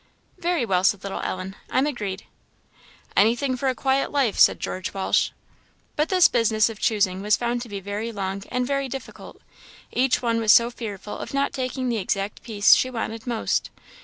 "Very well," said little Ellen "I'm agreed." "Anything for a quiet life," said George Walsh. But this business of choosing was found to be very long and very difficult, each one was so fearful of not taking the exact piece she wanted most.